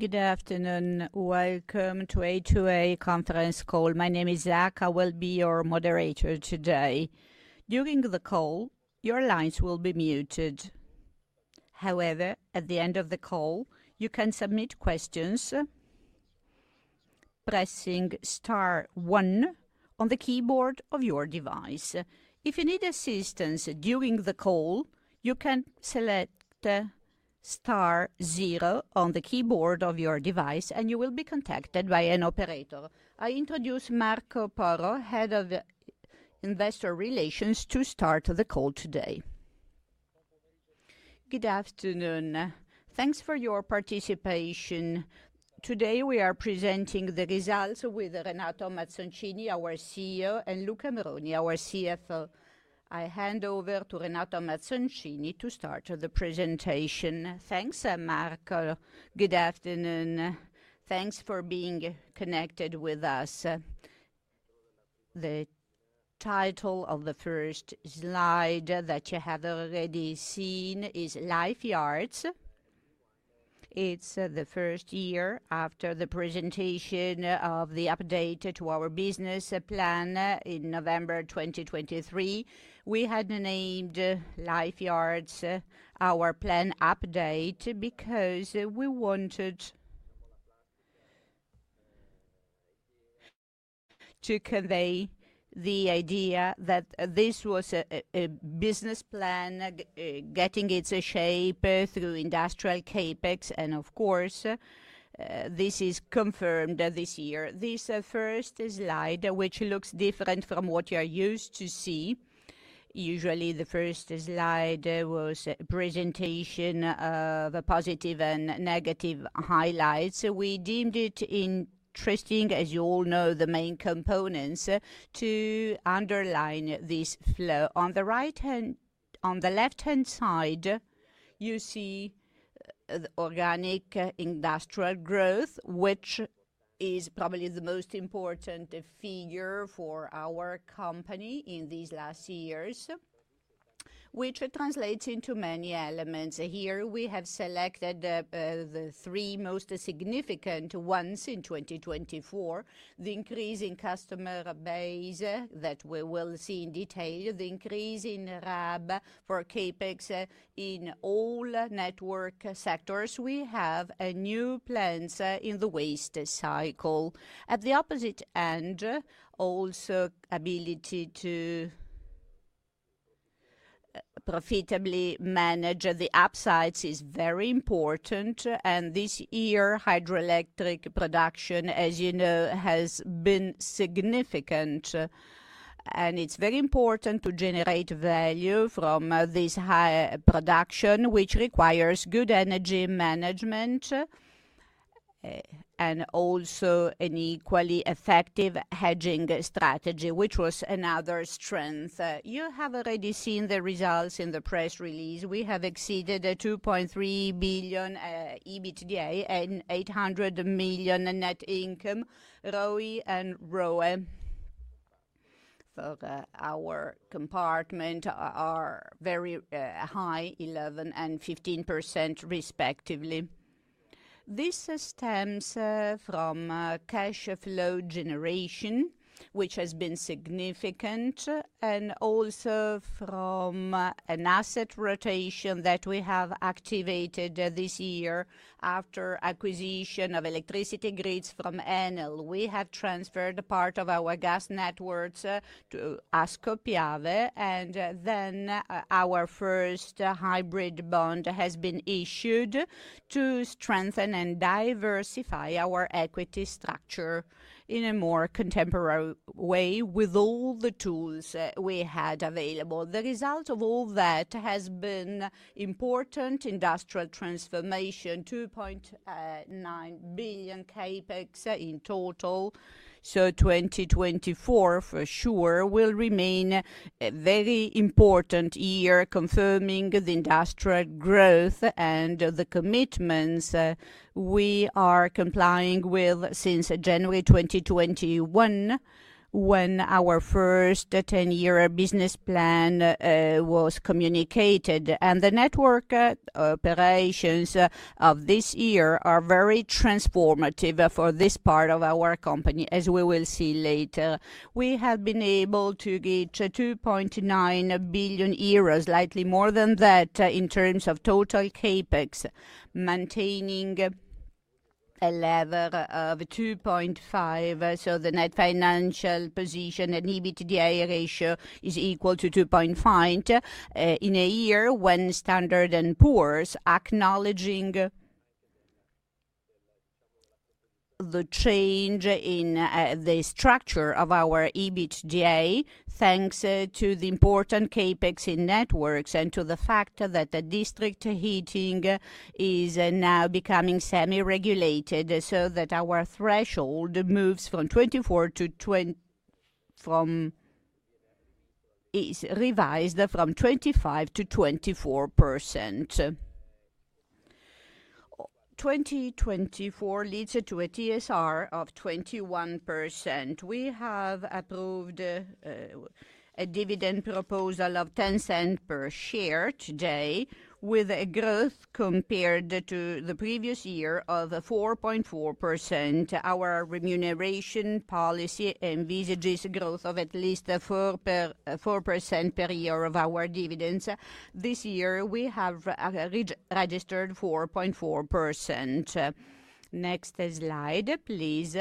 Good afternoon, welcome to A2A Conference Call. My name is Zack, I will be your moderator today. During the call, your lines will be muted. However, at the end of the call, you can submit questions pressing star one on the keyboard of your device. If you need assistance during the call, you can select star zero on the keyboard of your device, and you will be contacted by an operator. I introduce Marco Porro, Head of Investor Relations, to start the call today. Good afternoon. Thanks for your participation. Today we are presenting the results with Renato Mazzoncini, our CEO, and Luca Moroni, our CFO. I hand over to Renato Mazzoncini to start the presentation. Thanks, Marco. Good afternoon. Thanks for being connected with us. The title of the first slide that you have already seen is Life Yards. It's the first year after the presentation of the update to our business plan in November 2023. We had named Life Yards our plan update because we wanted to convey the idea that this was a business plan getting its shape through industrial CapEx, and of course, this is confirmed this year. This first slide, which looks different from what you are used to see, usually the first slide was a presentation of positive and negative highlights. We deemed it interesting, as you all know, the main components to underline this flow. On the left-hand side, you see organic industrial growth, which is probably the most important figure for our company in these last years, which translates into many elements. Here we have selected the three most significant ones in 2024: the increase in customer base that we will see in detail, the increase in RAB for CapEx in all network sectors. We have new plans in the waste cycle. At the opposite end, also the ability to profitably manage the upsides is very important, and this year hydroelectric production, as you know, has been significant, and it's very important to generate value from this high production, which requires good energy management and also an equally effective hedging strategy, which was another strength. You have already seen the results in the press release. We have exceeded 2.3 billion EBITDA and 800 million net income. ROI and ROE for our compartment are very high, 11% and 15% respectively. This stems from cash flow generation, which has been significant, and also from an asset rotation that we have activated this year after acquisition of electricity grids from Enel. We have transferred part of our gas networks to Ascopiave, and then our first hybrid bond has been issued to strengthen and diversify our equity structure in a more contemporary way with all the tools we had available. The result of all that has been important industrial transformation: 2.9 billion CapEx in total. The year 2024, for sure, will remain a very important year confirming the industrial growth and the commitments we are complying with since January 2021 when our first 10-year business plan was communicated. The network operations of this year are very transformative for this part of our company, as we will see later. We have been able to get 2.9 billion euros, slightly more than that in terms of total CapEx, maintaining a lever of 2.5. The net financial position and EBITDA ratio is equal to 2.5 in a year when Standard and Poor's acknowledging the change in the structure of our EBITDA, thanks to the important CapEx in networks and to the fact that the district heating is now becoming semi-regulated so that our threshold moves from 25% to 24%. 2024 leads to a TSR of 21%. We have approved a dividend proposal of 0.10 per share today with a growth compared to the previous year of 4.4%. Our remuneration policy envisages a growth of at least 4% per year of our dividends. This year we have registered 4.4%. Next slide, please.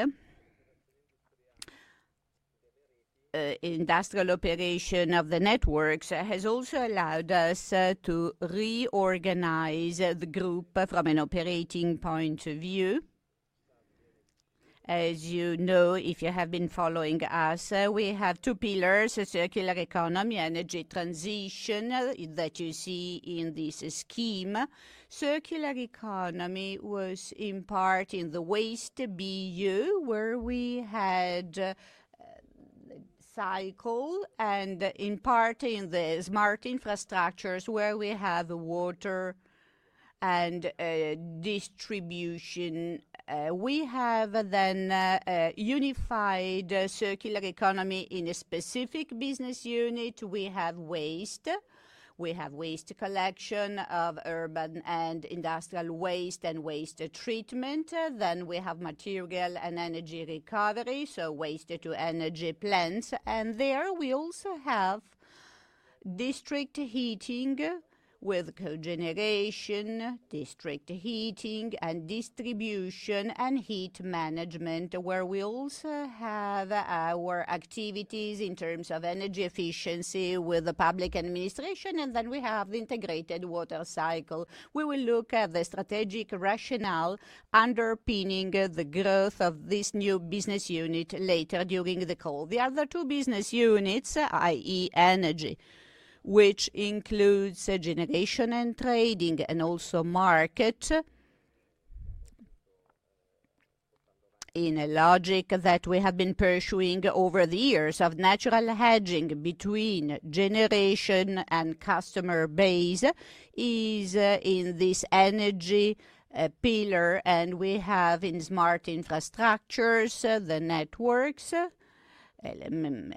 Industrial operation of the networks has also allowed us to reorganize the group from an operating point of view. As you know, if you have been following us, we have two pillars: circular economy and energy transition that you see in this scheme. Circular economy was in part in the waste BU, where we had cycle, and in part in the smart infrastructures where we have water and distribution. We have unified circular economy in a specific business unit. We have waste. We have waste collection of urban and industrial waste and waste treatment. We have material and energy recovery, so waste-to-energy plants. There we also have district heating with cogeneration, district heating and distribution, and heat management, where we also have our activities in terms of energy efficiency with the public administration. We have the integrated water cycle. We will look at the strategic rationale underpinning the growth of this new business unit later during the call. The other two business units, i.e., energy, which includes generation and trading, and also market, in a logic that we have been pursuing over the years of natural hedging between generation and customer base is in this energy pillar. We have in smart infrastructures the networks,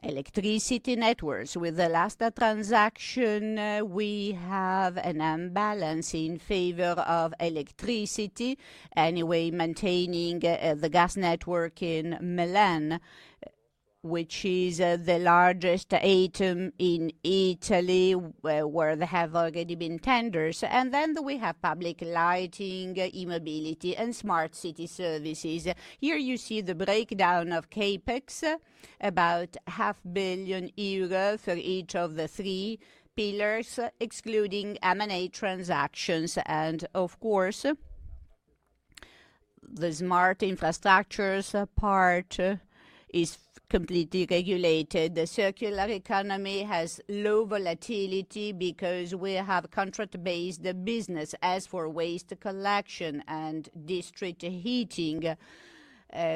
electricity networks. With the last transaction, we have an imbalance in favor of electricity, anyway, maintaining the gas network in Milan, which is the largest item in Italy where they have already been tenders. We have public lighting, e-mobility, and smart city services. Here you see the breakdown of CapEx, about 500 million euros for each of the three pillars, excluding M&A transactions. Of course, the smart infrastructures part is completely regulated. The circular economy has low volatility because we have contract-based business as for waste collection and district heating,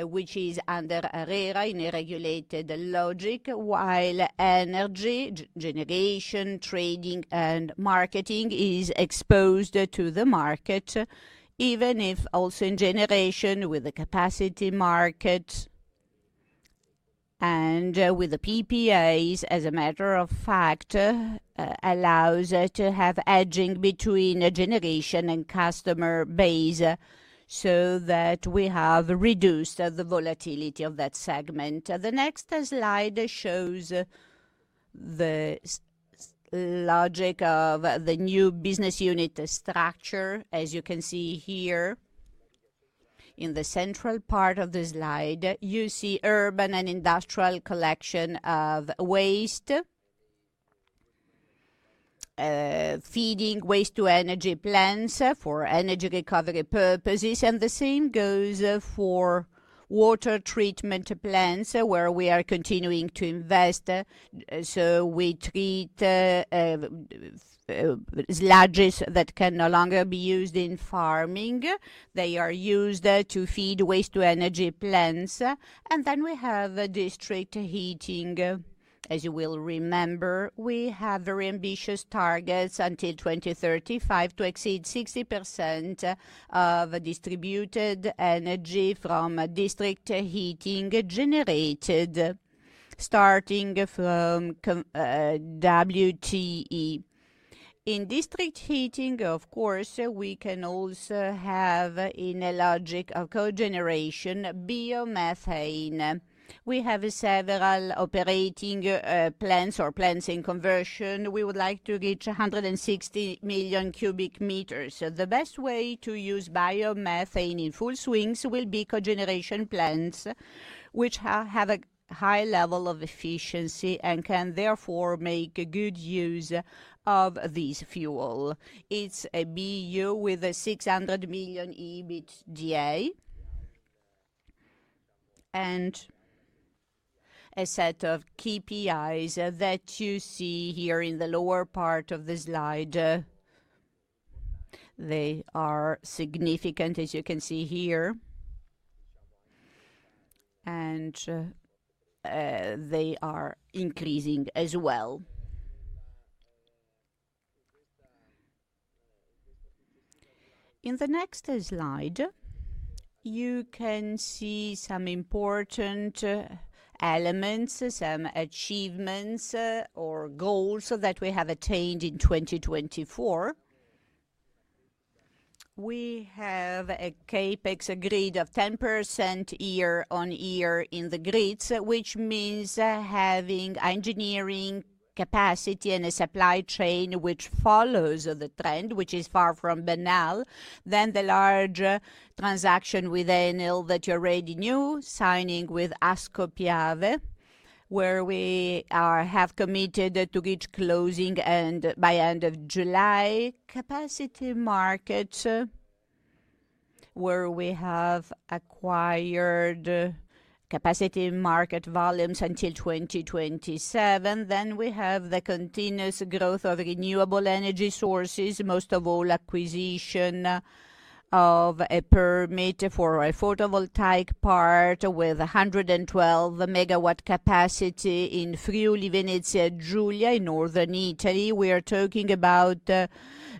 which is under a rare and irregulated logic, while energy generation, trading, and marketing is exposed to the market, even if also in generation with the capacity market and with the PPAs, as a matter of fact, allows to have hedging between a generation and customer base so that we have reduced the volatility of that segment. The next slide shows the logic of the new business unit structure. As you can see here, in the central part of the slide, you see urban and industrial collection of waste, feeding waste-to-energy plants for energy recovery purposes. The same goes for water treatment plants where we are continuing to invest. We treat sludges that can no longer be used in farming. They are used to feed waste-to-energy plants. We have district heating. As you will remember, we have very ambitious targets until 2035 to exceed 60% of distributed energy from district heating generated, starting from WTE. In district heating, of course, we can also have in a logic of cogeneration biomethane. We have several operating plants or plants in conversion. We would like to reach 160 million cubic meters. The best way to use biomethane in full swing will be cogeneration plants, which have a high level of efficiency and can therefore make good use of this fuel. It is a BU with a 600 million EBITDA and a set of KPIs that you see here in the lower part of the slide. They are significant, as you can see here, and they are increasing as well. In the next slide, you can see some important elements, some achievements or goals that we have attained in 2024. We have a CapEx grid of 10% year-on-year in the grids, which means having engineering capacity and a supply chain which follows the trend, which is far from banal. The large transaction with Enel that you already knew, signing with Ascopiave, where we have committed to reach closing by the end of July. Capacity Market, where we have acquired capacity market volumes until 2027. We have the continuous growth of renewable energy sources, most of all acquisition of a permit for a photovoltaic part with 112 MW capacity in Friuli-Venezia Giulia in Northern Italy. We are talking about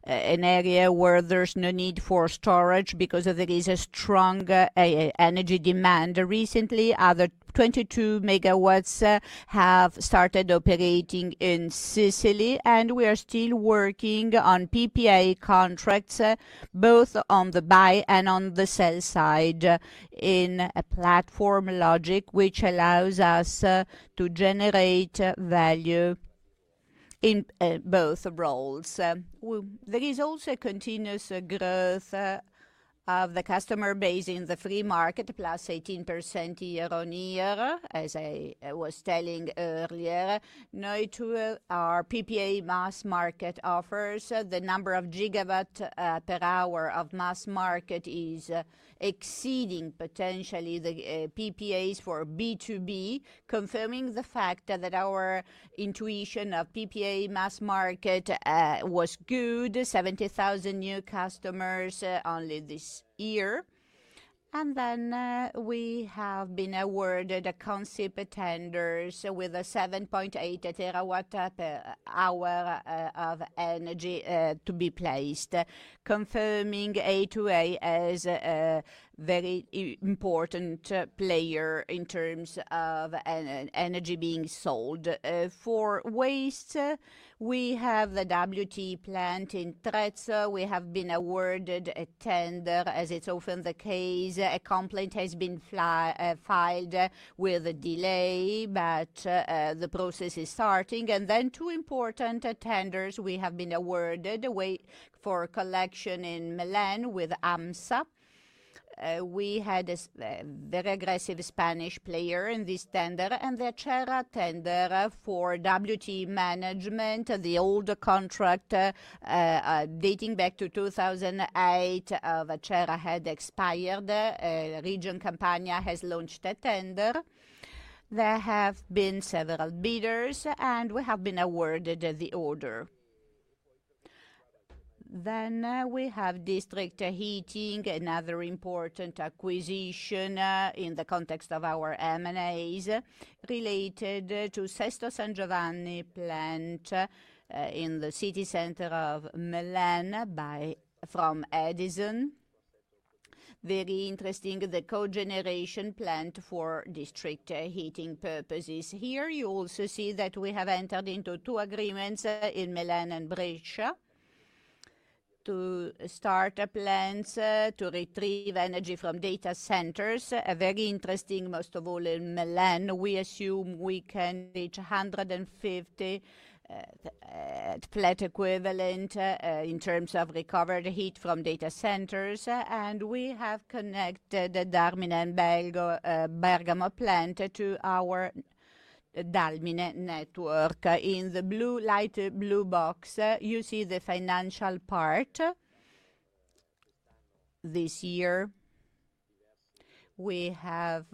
an area where there's no need for storage because there is a strong energy demand recently. Other 22 MW have started operating in Sicily, and we are still working on PPA contracts, both on the buy and on the sell side in a platform logic which allows us to generate value in both roles. There is also continuous growth of the customer base in the free market, plus 18% year-on-year, as I was telling earlier. Our PPA mass market offers the number of GW per hour of mass market is exceeding potentially the PPAs for B2B, confirming the fact that our intuition of PPA mass market was good: 70,000 new customers only this year. We have been awarded concept tenders with a 7.8 TW per hour of energy to be placed, confirming A2A as a very important player in terms of energy being sold. For waste, we have the WTE plant in Trezzo. We have been awarded a tender, as it's often the case. A complaint has been filed with a delay, but the process is starting. Two important tenders we have been awarded: the one for collection in Milan with AMSA. We had a very aggressive Spanish player in this tender and the Acerra tender for WTE management, the old contract dating back to 2008 of Acerra had expired. Region Campania has launched a tender. There have been several bidders, and we have been awarded the order. We have district heating, another important acquisition in the context of our M&As related to Sesto San Giovanni plant in the city center of Milan from Edison. Very interesting, the cogeneration plant for district heating purposes. Here you also see that we have entered into two agreements in Milan and Brescia to start a plant to retrieve energy from data centers, a very interesting, most of all in Milan. We assume we can reach 150 flat equivalent in terms of recovered heat from data centers. We have connected the Dalmine and Bergamo plant to our Dalmine network. In the light blue box, you see the financial part. This year, we have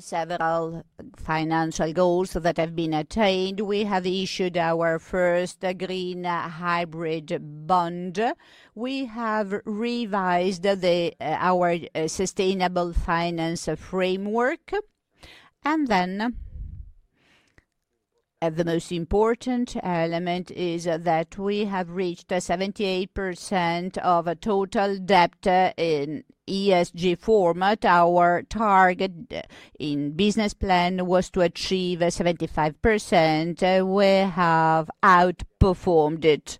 several financial goals that have been attained. We have issued our first green hybrid bond. We have revised our sustainable finance framework. The most important element is that we have reached 78% of total debt in ESG format. Our target in business plan was to achieve 75%. We have outperformed it.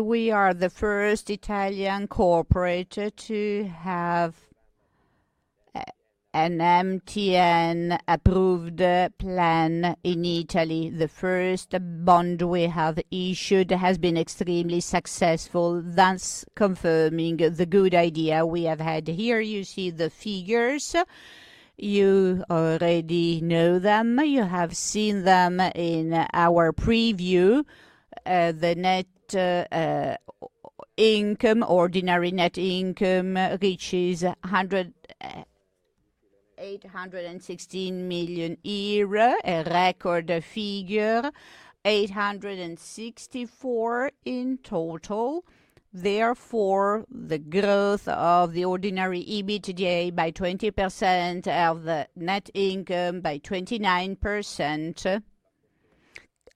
We are the first Italian corporate to have an MTN-approved plan in Italy. The first bond we have issued has been extremely successful, thus confirming the good idea we have had here. You see the figures. You already know them. You have seen them in our preview. The net income, ordinary net income, reaches 816 million euro, a record figure, 864 million in total. Therefore, the growth of the ordinary EBITDA by 20% of the net income by 29%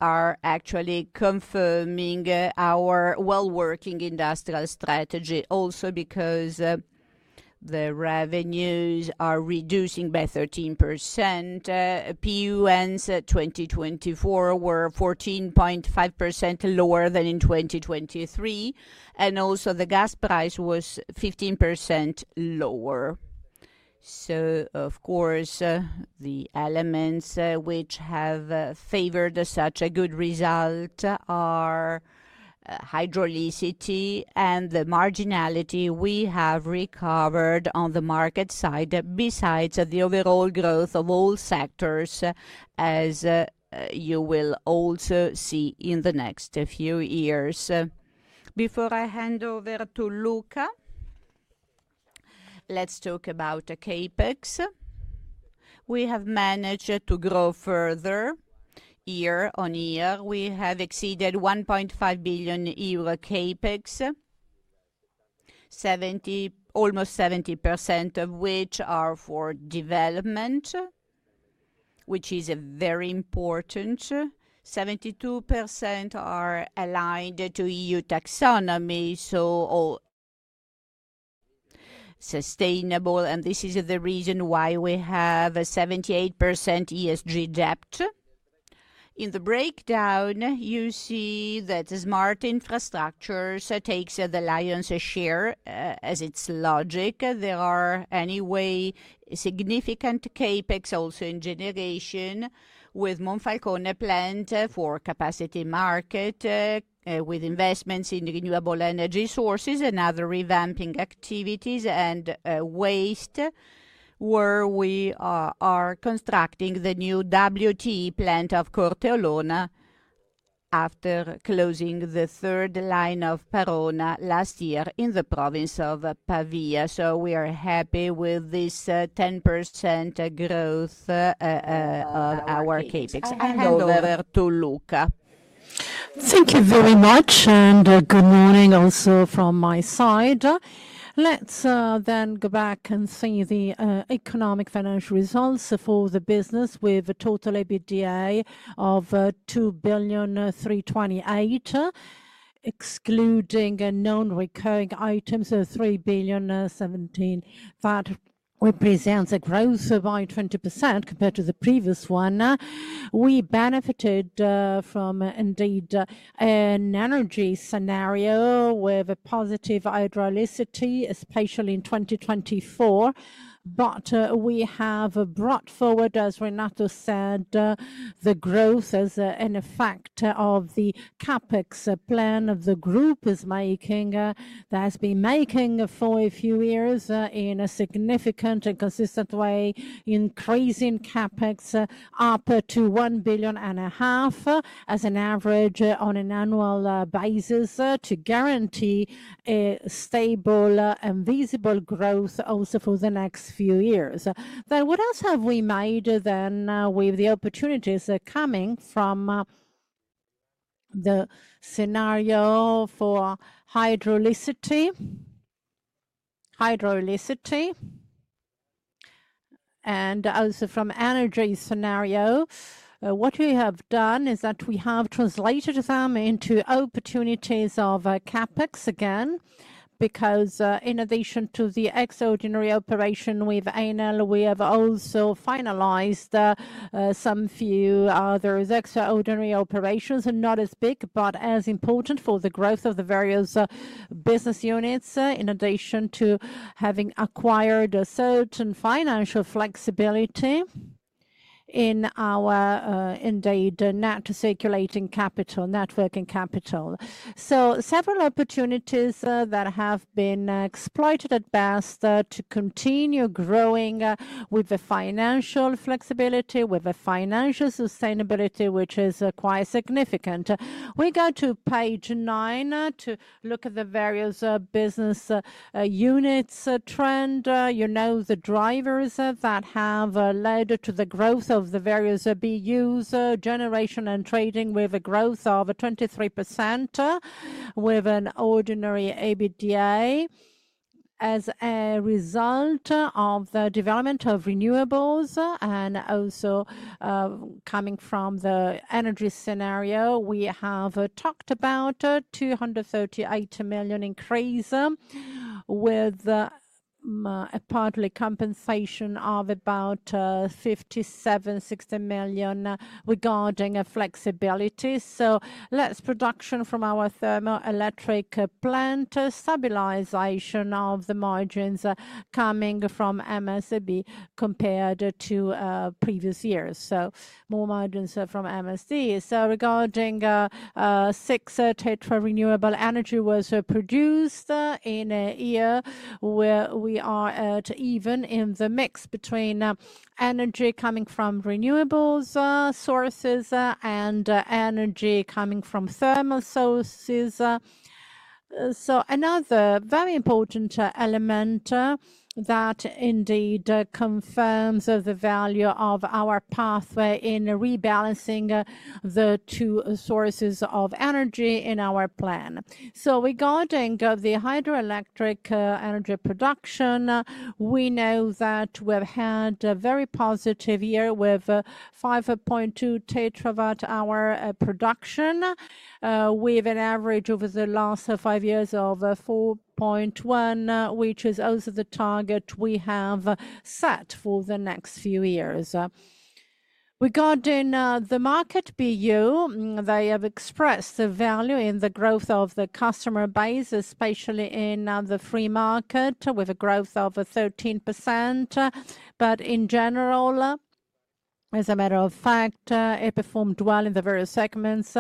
are actually confirming our well-working industrial strategy, also because the revenues are reducing by 13%. PUNs 2024 were 14.5% lower than in 2023. Also the gas price was 15% lower. Of course, the elements which have favored such a good result are hydrolicity and the marginality we have recovered on the market side, besides the overall growth of all sectors, as you will also see in the next few years. Before I hand over to Luca, let's talk about CapEx. We have managed to grow further year-on-year. We have exceeded 1.5 billion euro CapEx, almost 70% of which are for development, which is very important. 72% are aligned to EU taxonomy, so sustainable. This is the reason why we have a 78% ESG debt. In the breakdown, you see that smart infrastructures take the lion's share as its logic. There are anyway significant CapEx also in generation with Monfalcone plant for capacity market, with investments in renewable energy sources and other revamping activities and waste, where we are constructing the new WTE plant of Corteolona after closing the third line of Parona last year in the province of Pavia. We are happy with this 10% growth of our CapEx. Hand over to Luca. Thank you very much. Good morning also from my side. Let's then go back and see the economic financial results for the business with a total EBITDA of 2,328 million, excluding known recurring items of 3,017 million. That represents a growth of 20% compared to the previous one. We benefited from indeed an energy scenario with a positive hydrolicity, especially in 2024. We have brought forward, as Renato said, the growth as an effect of the CapEx plan the group is making that has been making for a few years in a significant and consistent way, increasing CapEx up to 1.5 billion as an average on an annual basis to guarantee a stable and visible growth also for the next few years. What else have we made with the opportunities coming from the scenario for hydrolicity? Hydrolicity. Also from energy scenario, what we have done is that we have translated them into opportunities of CapEx again, because in addition to the extraordinary operation with Enel, we have also finalized some few other extraordinary operations, not as big, but as important for the growth of the various business units, in addition to having acquired a certain financial flexibility in our indeed net circulating capital, net working capital. Several opportunities have been exploited at best to continue growing with the financial flexibility, with the financial sustainability, which is quite significant. We go to page nine to look at the various business units trend. You know the drivers that have led to the growth of the various BUs, generation and trading with a growth of 23% with an ordinary EBITDA. As a result of the development of renewables and also coming from the energy scenario, we have talked about a 238 million increase with a partly compensation of about 57-60 million regarding flexibility. Less production from our thermoelectric plant, stabilization of the margins coming from MSD compared to previous years. More margins from MSD. Regarding six TW renewable energy was produced in a year where we are at even in the mix between energy coming from renewables sources and energy coming from thermal sources. Another very important element that indeed confirms the value of our pathway in rebalancing the two sources of energy in our plan. Regarding the hydroelectric energy production, we know that we've had a very positive year with 5.2 TW hour production, with an average over the last five years of 4.1, which is also the target we have set for the next few years. Regarding the market BU, they have expressed the value in the growth of the customer base, especially in the free market, with a growth of 13%. In general, as a matter of fact, it performed well in the various segments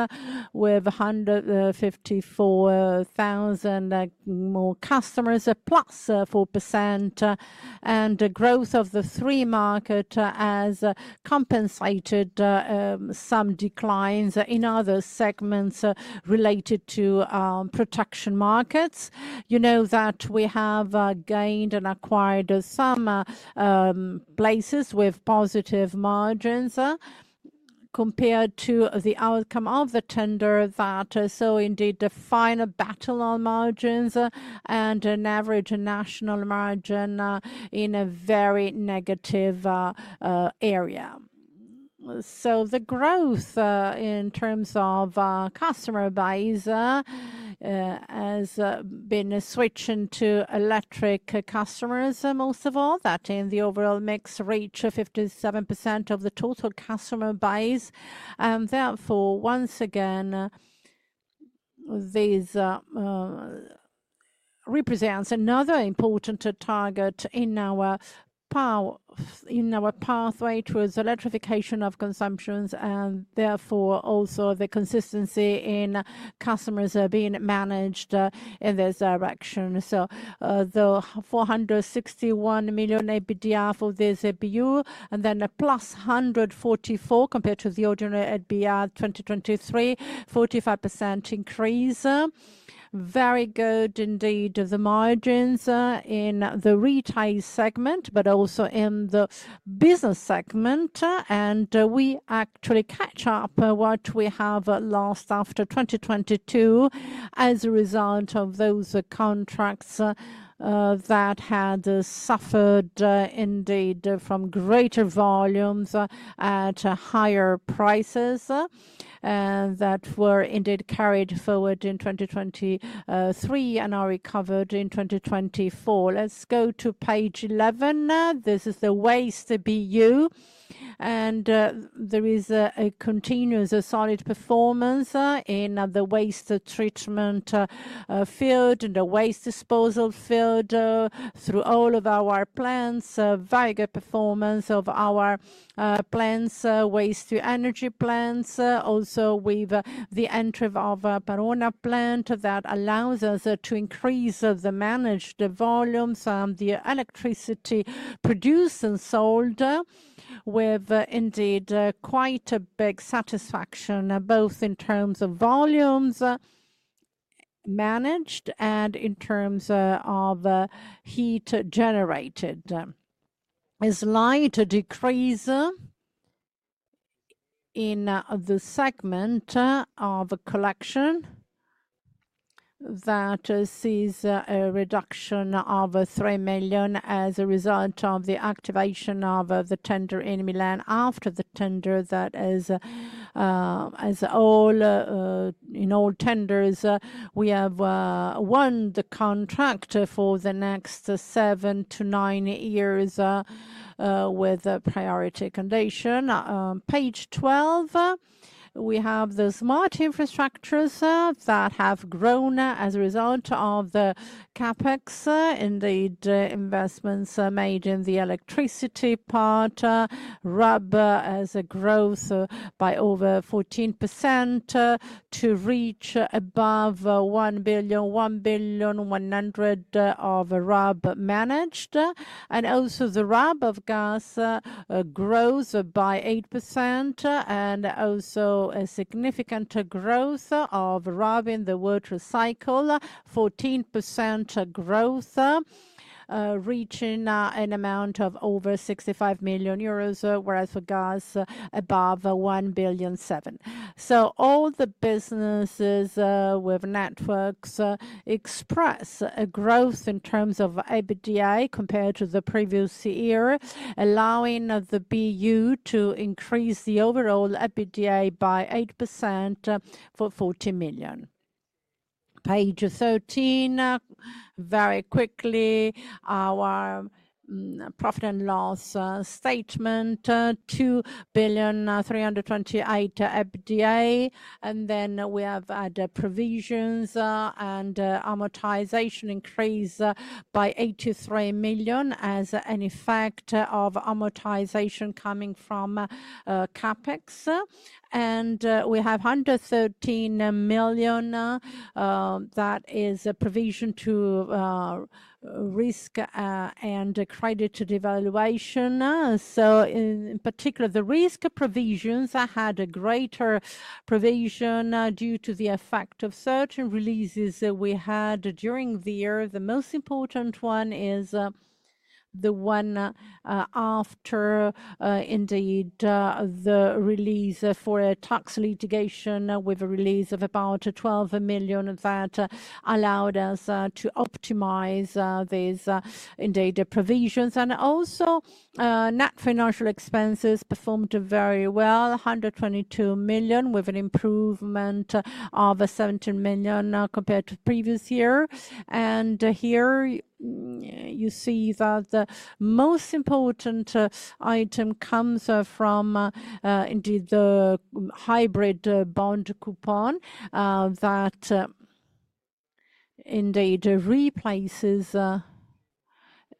with 154,000 more customers, plus 4%. The growth of the free market has compensated some declines in other segments related to production markets. You know that we have gained and acquired some places with positive margins compared to the outcome of the tender that saw indeed the final battle on margins and an average national margin in a very negative area. The growth in terms of customer base has been switching to electric customers, most of all that in the overall mix reach of 57% of the total customer base. Therefore, once again, this represents another important target in our pathway towards electrification of consumptions and therefore also the consistency in customers being managed in this direction. The 461 million EBITDA for this BU and then a plus 144 million compared to the ordinary EBITDA 2023, 45% increase. Very good indeed the margins in the retail segment, but also in the business segment. We actually catch up what we have lost after 2022 as a result of those contracts that had suffered indeed from greater volumes at higher prices and that were indeed carried forward in 2023 and are recovered in 2024. Let's go to page 11. This is the waste BU. There is a continuous solid performance in the waste treatment field and the waste disposal field through all of our plants, very good performance of our plants, waste-to-energy plants. Also with the entry of a Parona plant that allows us to increase the managed volumes and the electricity produced and sold with indeed quite a big satisfaction both in terms of volumes managed and in terms of heat generated. It is a slight decrease in the segment of collection that sees a reduction of 3 million as a result of the activation of the tender in Milan after the tender that is, as in all tenders, we have won the contract for the next seven to nine years with a priority condition. Page 12, we have the smart infrastructures that have grown as a result of the CapEx, indeed investments made in the electricity part, RAB has a growth by over 14% to reach above 1,100,000,000 of RAB managed. Also the RAB of gas grows by 8% and also a significant growth of RAB in the water cycle, 14% growth reaching an amount of over 65,000,000 euros, whereas for gas above 1,700,000,000. All the businesses with networks express a growth in terms of EBITDA compared to the previous year, allowing the BU to increase the overall EBITDA by 8% for 40,000,000. Page 13, very quickly, our profit and loss statement, 2,328,000,000 EBITDA. We have had provisions and amortization increase by 83,000,000 as an effect of amortization coming from CapEx. We have 113,000,000 that is a provision to risk and credit devaluation. In particular, the risk provisions had a greater provision due to the effect of certain releases we had during the year. The most important one is the one after indeed the release for a tax litigation with a release of about 12 million that allowed us to optimize these indeed provisions. Also, net financial expenses performed very well, 122 million with an improvement of 17 million compared to previous year. Here you see that the most important item comes from indeed the hybrid bond coupon that indeed replaces the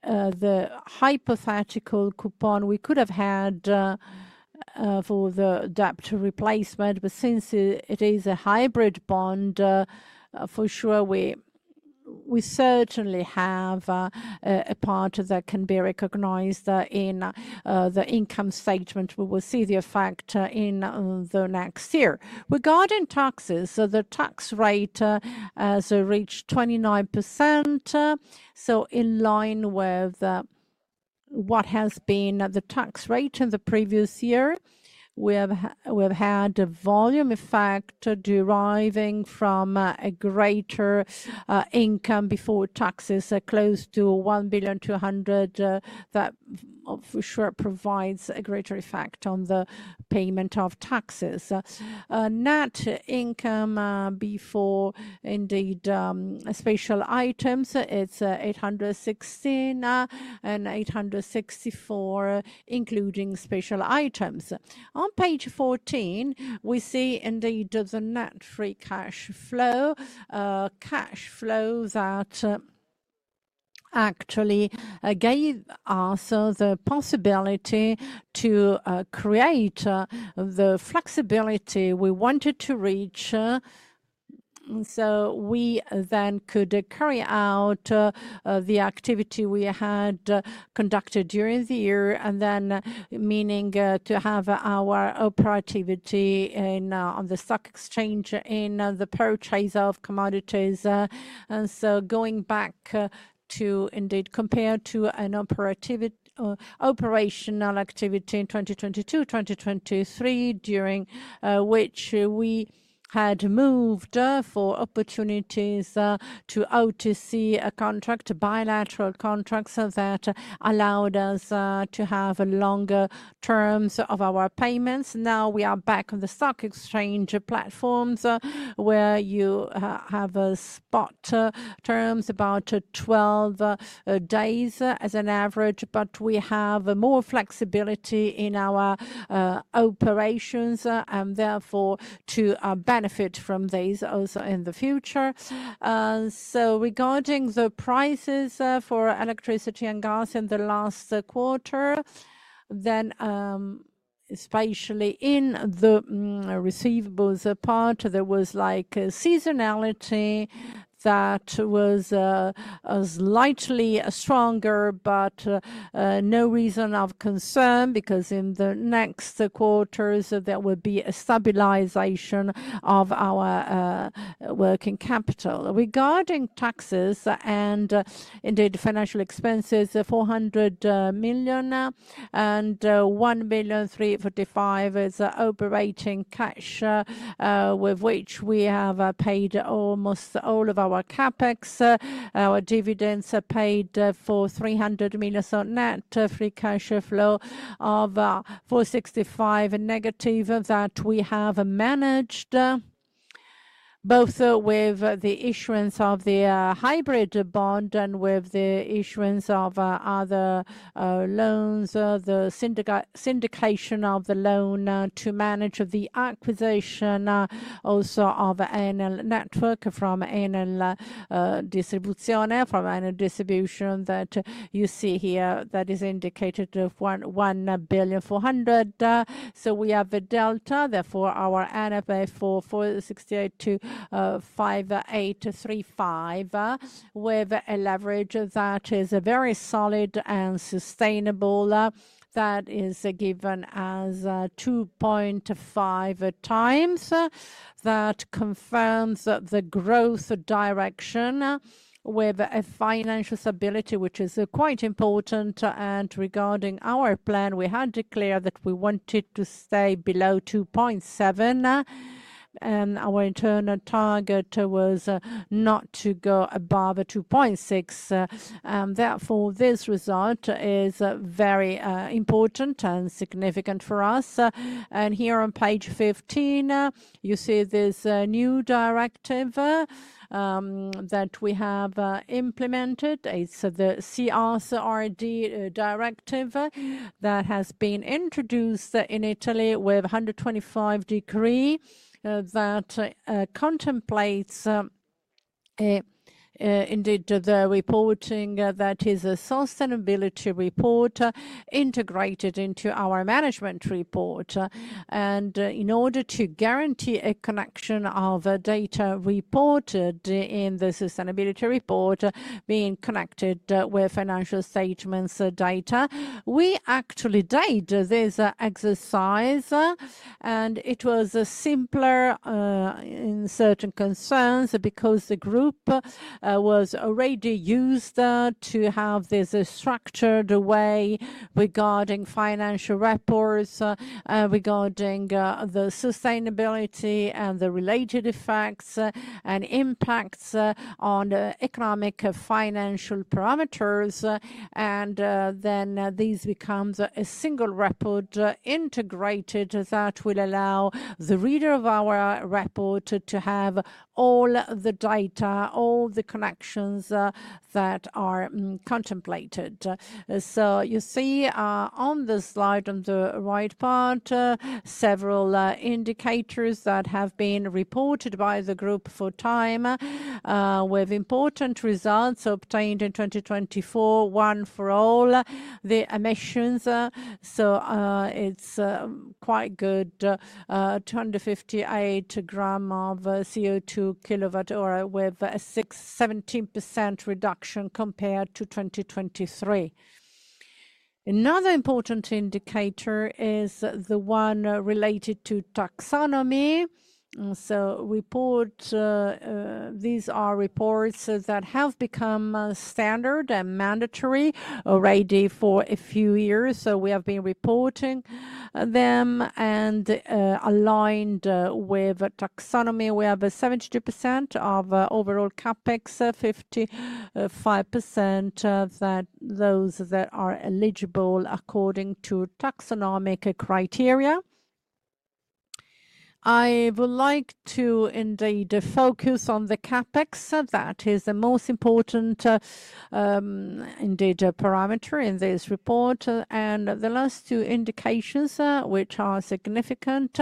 hypothetical coupon we could have had for the debt replacement. Since it is a hybrid bond, for sure we certainly have a part that can be recognized in the income statement. We will see the effect in the next year. Regarding taxes, the tax rate has reached 29%. In line with what has been the tax rate in the previous year, we have had a volume effect deriving from a greater income before taxes close to 1,200,000 that for sure provides a greater effect on the payment of taxes. Net income before indeed special items, it's 816 and 864, including special items. On page 14, we see indeed the net free cash flow, cash flows that actually gave us the possibility to create the flexibility we wanted to reach. We then could carry out the activity we had conducted during the year, meaning to have our operativity on the stock exchange in the purchase of commodities. Going back to indeed compare to an operational activity in 2022, 2023, during which we had moved for opportunities to OTC contract, bilateral contracts that allowed us to have longer terms of our payments. Now we are back on the stock exchange platforms where you have a spot terms about 12 days as an average, but we have more flexibility in our operations and therefore to benefit from these also in the future. Regarding the prices for electricity and gas in the last quarter, then especially in the receivables part, there was like a seasonality that was slightly stronger, but no reason of concern because in the next quarters there would be a stabilization of our working capital. Regarding taxes and indeed financial expenses, 400 million and 1,345,000 is operating cash with which we have paid almost all of our CapEx. Our dividends are paid for 300 million net free cash flow of 465 million negative that we have managed both with the issuance of the hybrid bond and with the issuance of other loans, the syndication of the loan to manage the acquisition also of Enel network from Enel distribution that you see here that is indicated of 1,400 million. We have a delta, therefore our NFA for 468 million, 25835 with a leverage that is very solid and sustainable that is given as 2.5 times that confirms the growth direction with a financial stability, which is quite important. Regarding our plan, we had declared that we wanted to stay below 2.7 and our internal target was not to go above 2.6. Therefore, this result is very important and significant for us. Here on page 15, you see this new directive that we have implemented. It's the CSRD directive that has been introduced in Italy with 125 degrees that contemplates indeed the reporting that is a sustainability report integrated into our management report. In order to guarantee a connection of data reported in the sustainability report being connected with financial statements data, we actually did this exercise and it was simpler in certain concerns because the group was already used to have this structured way regarding financial reports, regarding the sustainability and the related effects and impacts on economic financial parameters. These become a single report integrated that will allow the reader of our report to have all the data, all the connections that are contemplated. You see on the slide on the right part several indicators that have been reported by the group for time with important results obtained in 2024, one for all the emissions. It's quite good, 258 grams of CO2 per KW hour with a 17% reduction compared to 2023. Another important indicator is the one related to taxonomy. These are reports that have become standard and mandatory already for a few years. We have been reporting them and aligned with taxonomy with 72% of overall CapEx, 55% of those that are eligible according to taxonomic criteria. I would like to indeed focus on the CapEx. That is the most important indeed parameter in this report and the last two indications which are significant.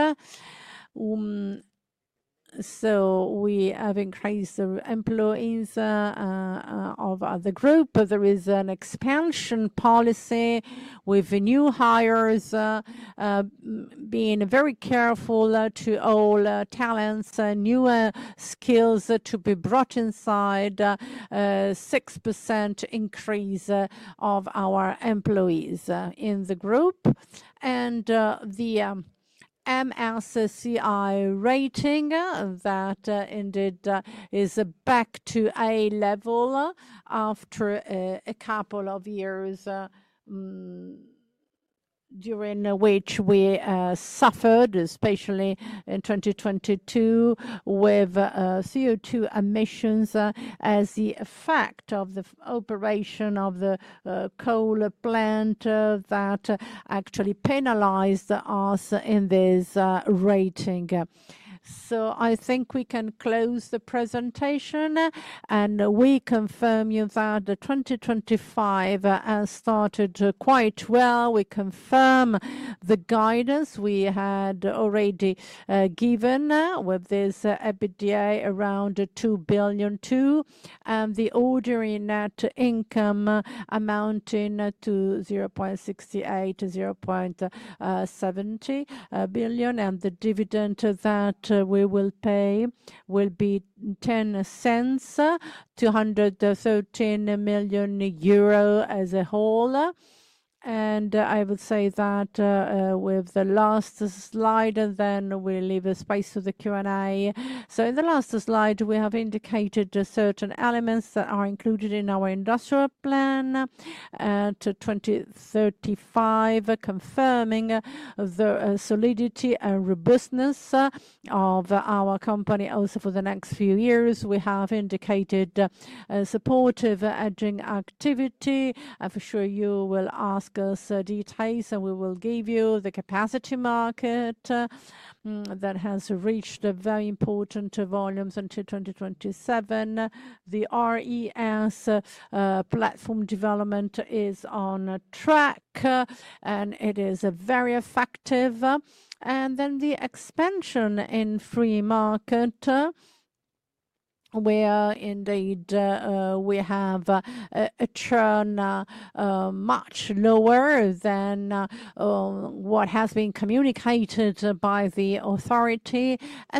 We have increased the employees of the group. There is an expansion policy with new hires being very careful to all talents, new skills to be brought inside, 6% increase of our employees in the group. The MSCI rating that indeed is back to a level after a couple of years during which we suffered, especially in 2022 with CO2 emissions as the effect of the operation of the coal plant that actually penalized us in this rating. I think we can close the presentation and we confirm you that 2025 has started quite well. We confirm the guidance we had already given with this EBITDA around 2,200,000,000 and the ordinary net income amounting to 0.68-0.70 billion. The dividend that we will pay will be 0.10, 213 million euro as a whole. I would say that with the last slide and then we leave space to the Q&A. In the last slide, we have indicated certain elements that are included in our industrial plan to 2035, confirming the solidity and robustness of our company also for the next few years. We have indicated supportive hedging activity. For sure, you will ask us details and we will give you the capacity market that has reached very important volumes until 2027. The RES platform development is on track and it is very effective. Then the expansion in free market where indeed we have a churn much lower than what has been communicated by the authority.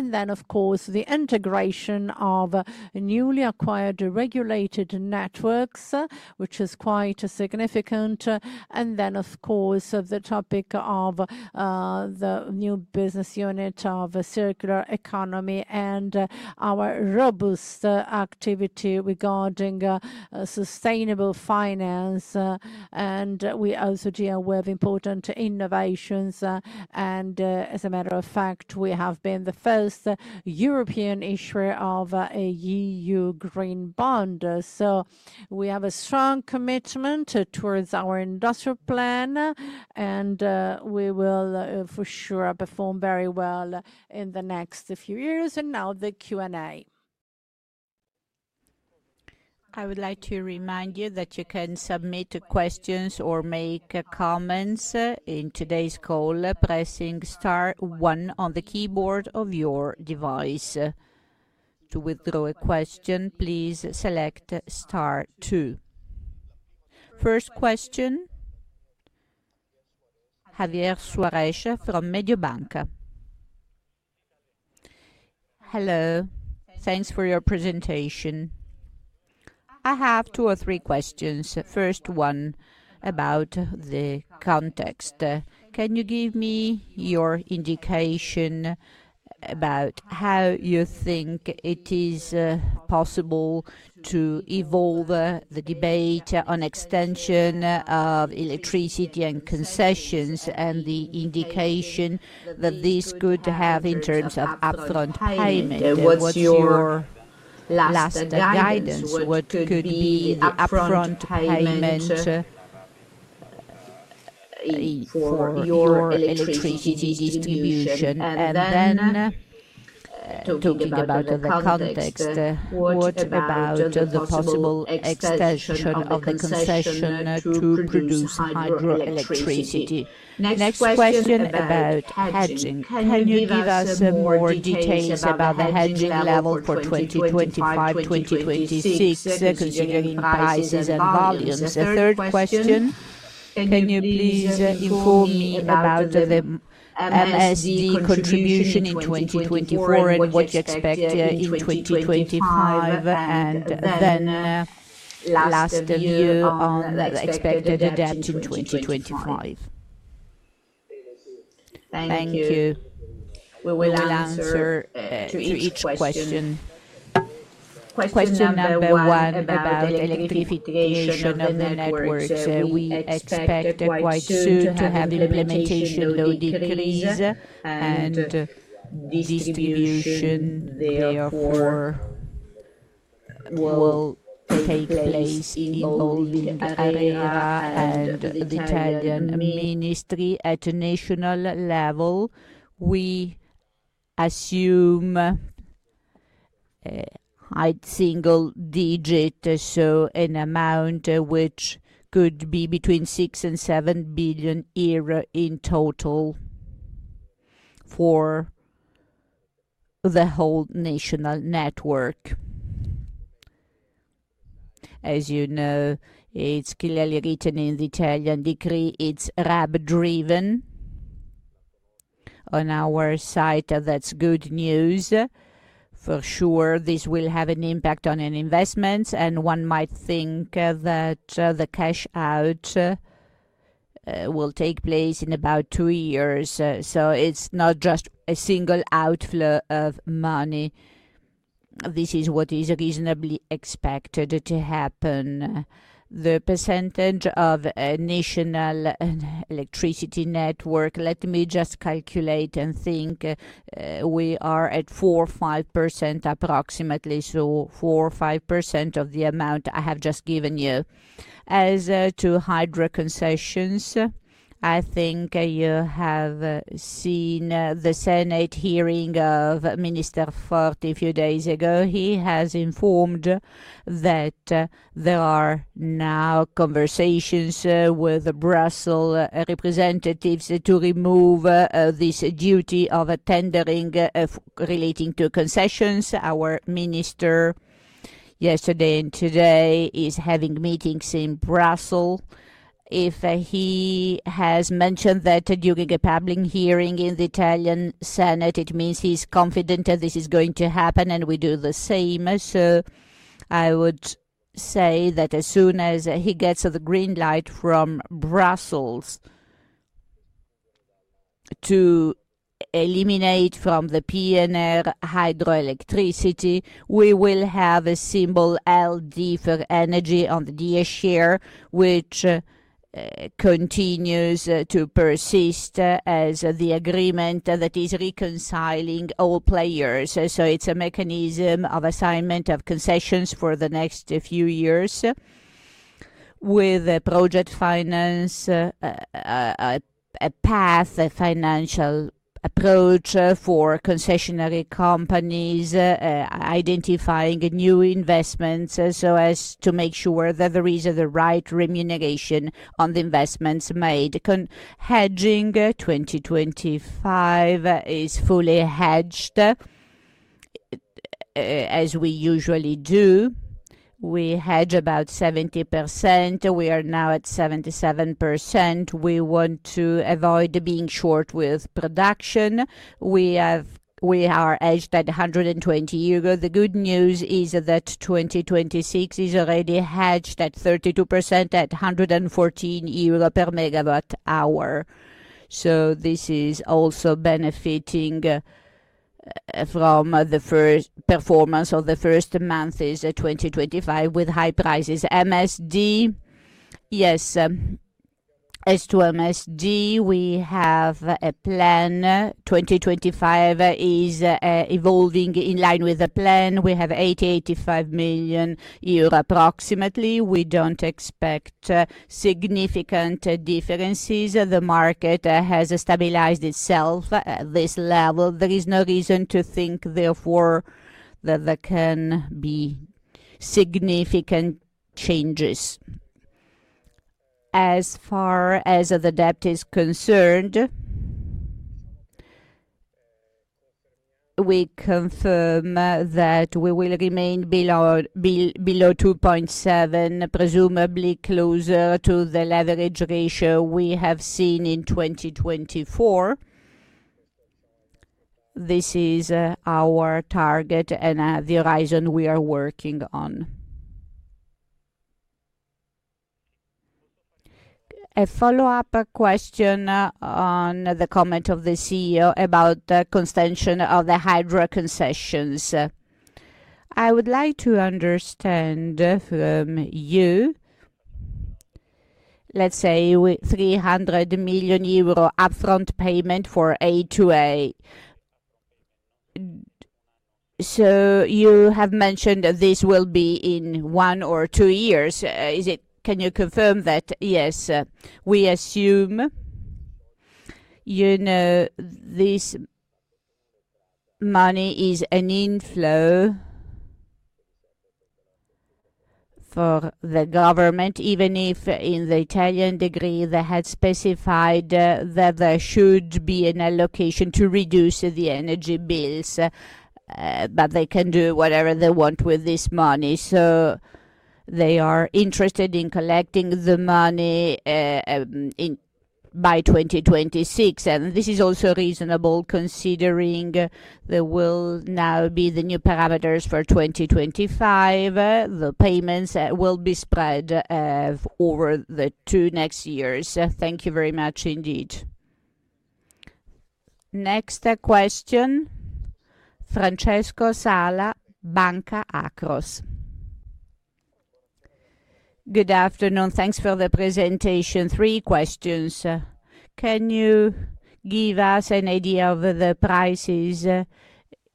Of course, the integration of newly acquired regulated networks, which is quite significant. Of course, the topic of the new business unit of circular economy and our robust activity regarding sustainable finance. We also deal with important innovations. As a matter of fact, we have been the first European issuer of a EU green bond. We have a strong commitment towards our industrial plan and we will for sure perform very well in the next few years. Now the Q&A. I would like to remind you that you can submit questions or make comments in today's call by pressing Star 1 on the keyboard of your device. To withdraw a question, please select Star 2. First question, Javier Soares from Mediobanca. Hello, thanks for your presentation. I have two or three questions. First one about the context. Can you give me your indication about how you think it is possible to evolve the debate on extension of electricity and concessions and the indication that this could have in terms of upfront payment? What's your last guidance? What could be the upfront payment for your electricity distribution? Talking about the context, what about the possible extension of the concession to produce hydroelectricity? Next question about hedging. Can you give us more details about the hedging level for 2025-2026 considering prices and volumes? The third question, can you please inform me about the MSD contribution in 2024 and what you expect in 2025? Last year on the expected debt in 2025. Thank you. We will answer to each question. Question number one about electrification of the networks. We expect quite soon to have implementation of decrease and distribution. Therefore, will take place in all the area and the Italian ministry at a national level. We assume a single digit, so an amount which could be between 6 billion-7 billion euro in total for the whole national network. As you know, it is clearly written in the Italian decree, it is RAB driven. On our side, that's good news. For sure, this will have an impact on investments and one might think that the cash out will take place in about two years. It is not just a single outflow of money. This is what is reasonably expected to happen. The percentage of a national electricity network, let me just calculate and think we are at 4-5% approximately. 4-5% of the amount I have just given you. As to hydro concessions, I think you have seen the Senate hearing of Minister Forte a few days ago. He has informed that there are now conversations with Brussels representatives to remove this duty of tendering relating to concessions. Our minister yesterday and today is having meetings in Brussels. If he has mentioned that during a public hearing in the Italian Senate, it means he's confident that this is going to happen and we do the same. I would say that as soon as he gets the green light from Brussels to eliminate from the PNR hydroelectricity, we will have a symbol LD for energy on the DS share, which continues to persist as the agreement that is reconciling all players. It is a mechanism of assignment of concessions for the next few years with a project finance, a path, a financial approach for concessionary companies identifying new investments so as to make sure that there is the right remuneration on the investments made. Hedging 2025 is fully hedged as we usually do. We hedge about 70%. We are now at 77%. We want to avoid being short with production. We are hedged at 120. The good news is that 2026 is already hedged at 32% at 114 euro per MW hour. This is also benefiting from the performance of the first month in 2025 with high prices. MSD, yes. As to MSD, we have a plan. 2025 is evolving in line with the plan. We have 80-85 million euro approximately. We do not expect significant differences. The market has stabilized itself at this level. There is no reason to think therefore that there can be significant changes. As far as the debt is concerned, we confirm that we will remain below 2.7, presumably closer to the leverage ratio we have seen in 2024. This is our target and the horizon we are working on. A follow-up question on the comment of the CEO about the concession of the hydro concessions. I would like to understand from you, let's say 300 million euro upfront payment for A2A. You have mentioned that this will be in one or two years. Can you confirm that? Yes. We assume this money is an inflow for the government, even if in the Italian decree they had specified that there should be an allocation to reduce the energy bills, but they can do whatever they want with this money. They are interested in collecting the money by 2026. This is also reasonable considering there will now be the new parameters for 2025. The payments will be spread over the two next years. Thank you very much indeed. Next question, Francesco Sala, Banca Akros. Good afternoon. Thanks for the presentation. Three questions. Can you give us an idea of the prices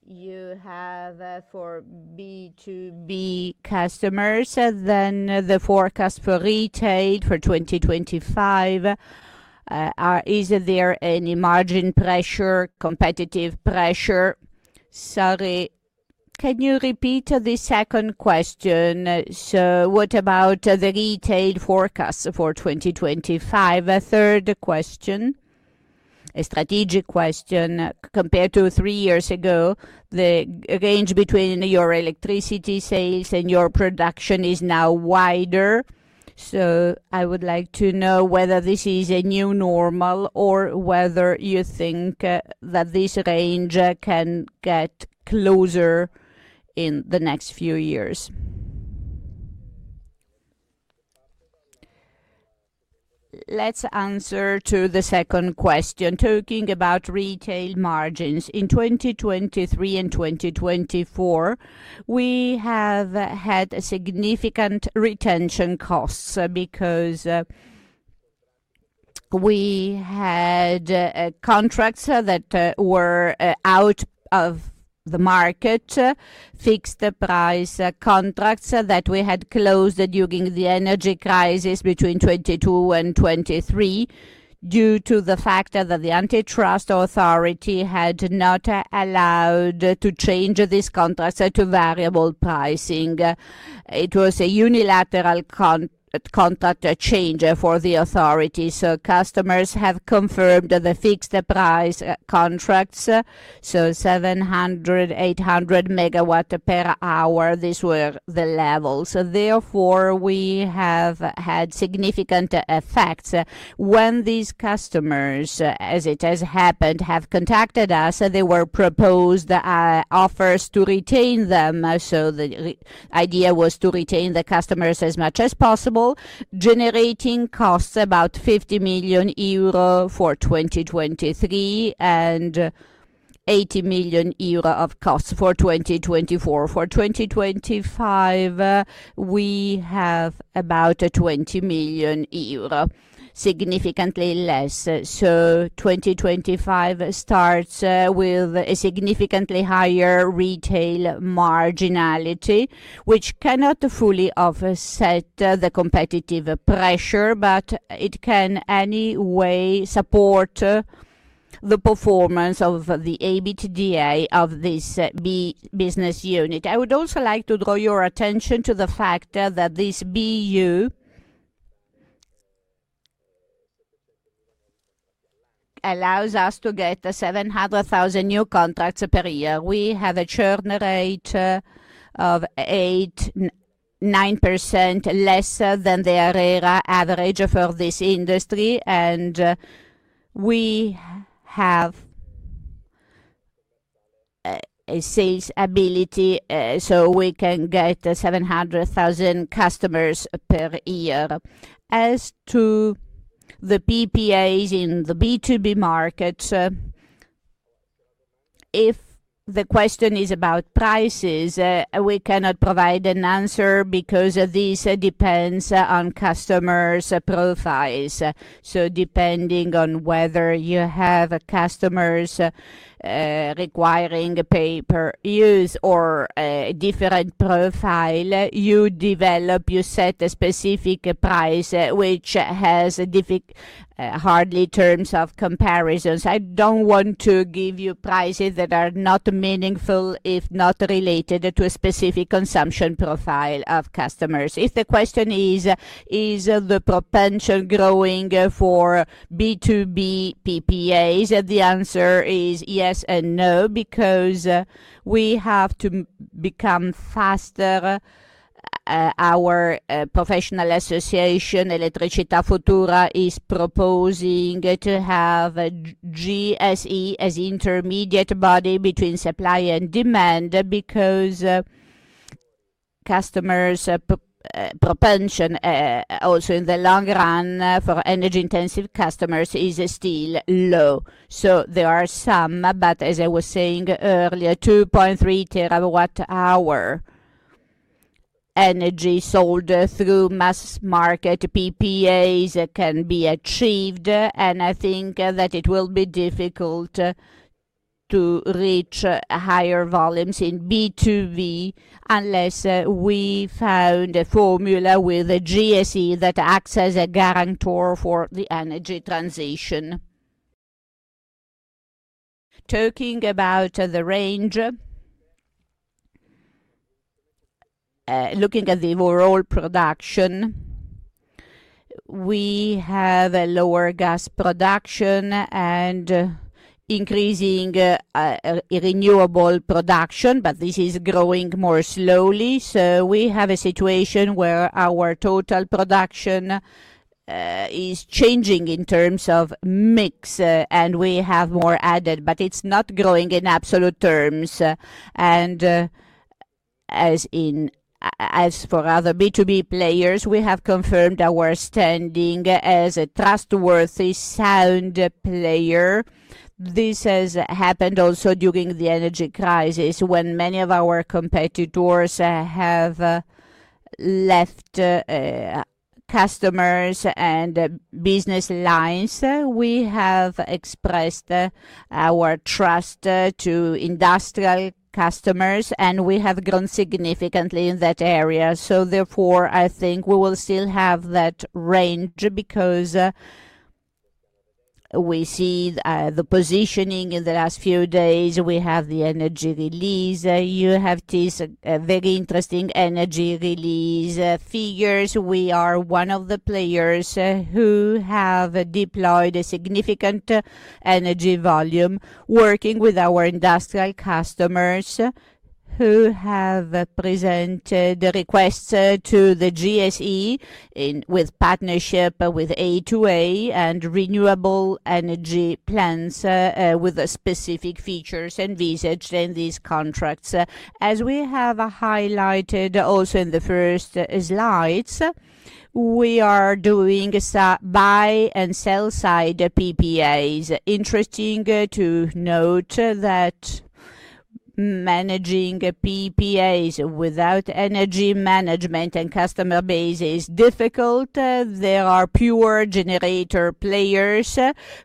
you have for B2B customers? The forecast for retail for 2025. Is there any margin pressure, competitive pressure? Sorry, can you repeat the second question? What about the retail forecast for 2025? Third question, a strategic question. Compared to three years ago, the range between your electricity sales and your production is now wider. I would like to know whether this is a new normal or whether you think that this range can get closer in the next few years. Let's answer the second question. Talking about retail margins, in 2023 and 2024, we have had significant retention costs because we had contracts that were out of the market, fixed price contracts that we had closed during the energy crisis between 2022 and 2023 due to the fact that the antitrust authority had not allowed to change these contracts to variable pricing. It was a unilateral contract change for the authorities. Customers have confirmed the fixed price contracts, so 700-800 MW per hour. These were the levels. Therefore, we have had significant effects when these customers, as it has happened, have contacted us. They were proposed offers to retain them. The idea was to retain the customers as much as possible, generating costs about 50 million euro for 2023 and 80 million euro of costs for 2024. For 2025, we have about 20 million euro, significantly less. 2025 starts with a significantly higher retail marginality, which cannot fully offset the competitive pressure, but it can anyway support the performance of the EBITDA of this BU. I would also like to draw your attention to the fact that this BU allows us to get 700,000 new contracts per year. We have a churn rate of 9% less than the area average for this industry, and we have a sales ability so we can get 700,000 customers per year. As to the PPAs in the B2B markets, if the question is about prices, we cannot provide an answer because this depends on customers' profiles. Depending on whether you have customers requiring paper use or a different profile, you develop, you set a specific price which has hardly terms of comparisons. I do not want to give you prices that are not meaningful if not related to a specific consumption profile of customers. If the question is, is the propension growing for B2B PPAs? The answer is yes and no because we have to become faster. Our professional association, Electtricità Futura, is proposing to have GSE as an intermediate body between supply and demand because customers' propension also in the long run for energy-intensive customers is still low. There are some, but as I was saying earlier, 2.3 TW hour energy sold through mass market PPAs can be achieved. I think that it will be difficult to reach higher volumes in B2B unless we found a formula with a GSE that acts as a guarantor for the energy transition. Talking about the range, looking at the overall production, we have a lower gas production and increasing renewable production, but this is growing more slowly. We have a situation where our total production is changing in terms of mix and we have more added, but it is not growing in absolute terms. As for other B2B players, we have confirmed our standing as a trustworthy, sound player. This has happened also during the energy crisis when many of our competitors have left customers and business lines. We have expressed our trust to industrial customers and we have grown significantly in that area. Therefore, I think we will still have that range because we see the positioning in the last few days. We have the energy release. You have these very interesting energy release figures. We are one of the players who have deployed a significant energy volume working with our industrial customers who have presented requests to the GSE with partnership with A2A and renewable energy plans with specific features and visits in these contracts. As we have highlighted also in the first slides, we are doing buy and sell side PPAs. Interesting to note that managing PPAs without energy management and customer base is difficult. There are pure generator players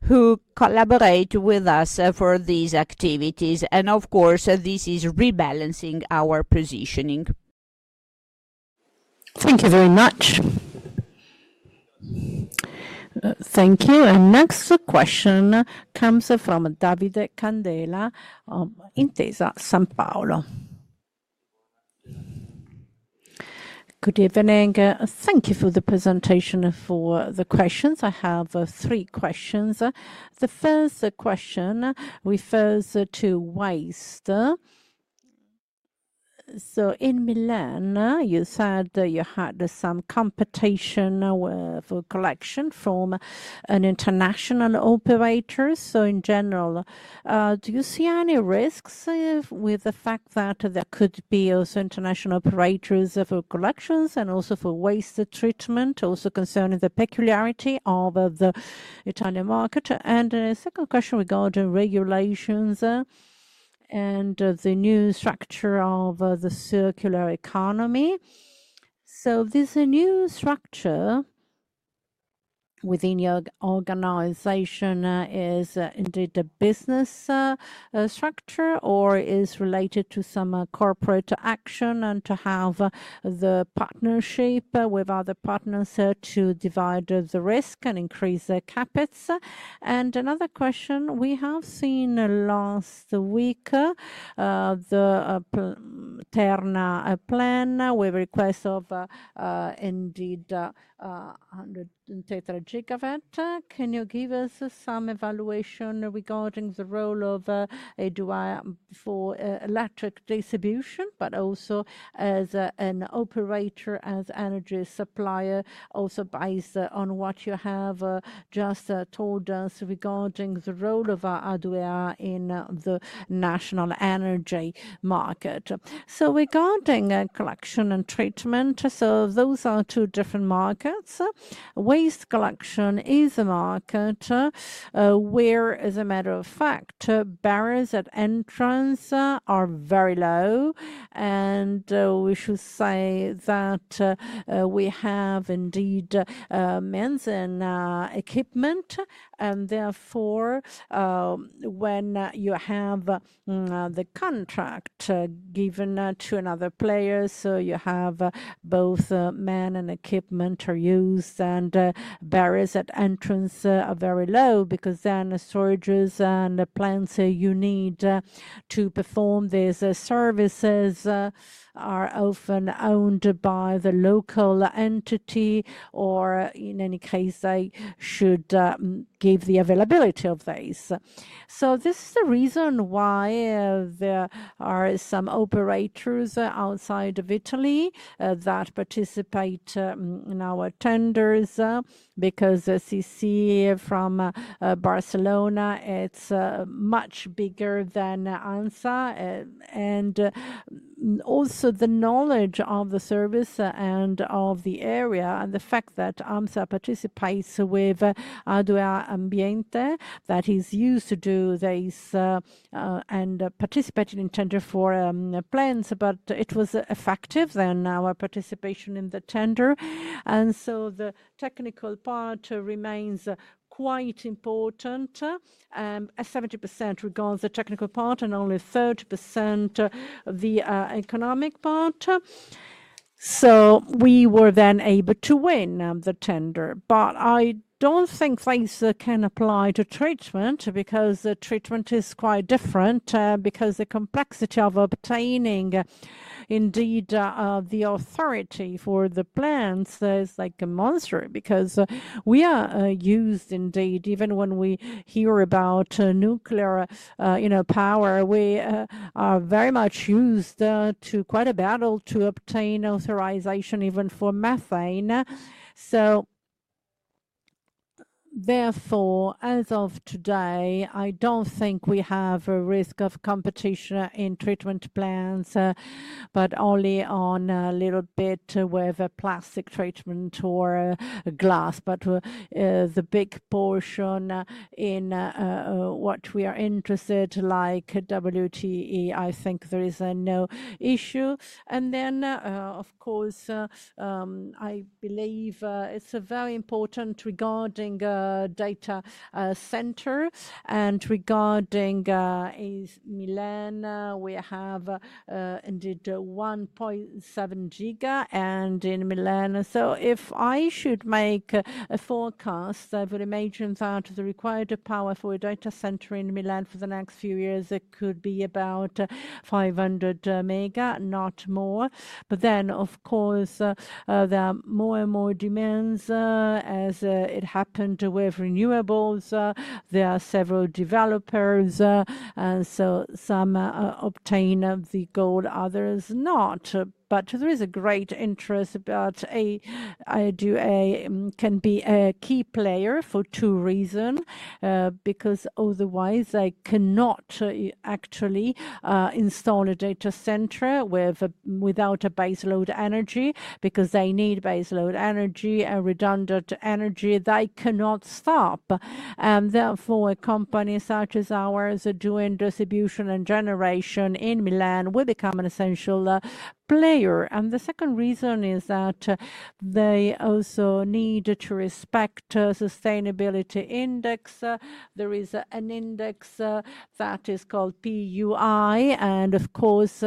who collaborate with us for these activities. Of course, this is rebalancing our positioning. Thank you very much. Thank you. The next question comes from Davide Candela, Intesa Sanpaolo. Good evening. Thank you for the presentation, for the questions. I have three questions. The first question refers to waste. In Milan, you said you had some competition for collection from an international operator. In general, do you see any risks with the fact that there could be also international operators for collections and also for waste treatment, also concerning the peculiarity of the Italian market? A second question regarding regulations and the new structure of the circular economy. Is this new structure within your organization indeed a business structure or is it related to some corporate action to have the partnership with other partners to divide the risk and increase the capital? Another question, we have seen last week the Terna plan with request of indeed 123 GW. Can you give us some evaluation regarding the role of A2A for electric distribution, but also as an operator, as energy supplier, also based on what you have just told us regarding the role of A2A in the national energy market? Regarding collection and treatment, those are two different markets. Waste collection is a market where, as a matter of fact, barriers at entrance are very low. We should say that we have indeed men's equipment. Therefore, when you have the contract given to another player, you have both men and equipment are used and barriers at entrance are very low because the storages and the plants you need to perform these services are often owned by the local entity or in any case, they should give the availability of these. This is the reason why there are some operators outside of Italy that participate in our tenders because as you see from Barcelona, it is much bigger than AMSA. Also, the knowledge of the service and of the area and the fact that AMSA participates with A2A Ambiente that is used to do this and participating in tender for plans, but it was effective then our participation in the tender. The technical part remains quite important, 70% regards the technical part and only 30% the economic part. We were then able to win the tender. I don't think this can apply to treatment because treatment is quite different because the complexity of obtaining indeed the authority for the plants is like a monster because we are used indeed even when we hear about nuclear power, we are very much used to quite a battle to obtain authorization even for methane. Therefore, as of today, I don't think we have a risk of competition in treatment plants, but only a little bit with plastic treatment or glass. The big portion in what we are interested, like WTE, I think there is no issue. Of course, I believe it is very important regarding data center and regarding Milan, we have indeed 1.7 giga. In Milan, if I should make a forecast for the maintenance out of the required power for a data center in Milan for the next few years, it could be about 500 mega, not more. Of course, there are more and more demands as it happened with renewables. There are several developers and some obtain the gold, others not. There is a great interest because A2A can be a key player for two reasons. Otherwise, they cannot actually install a data center without a base load energy because they need base load energy and redundant energy. They cannot stop. Therefore, companies such as ours are doing distribution and generation in Milan, becoming an essential player. The second reason is that they also need to respect the sustainability index. There is an index that is called PUI. Of course,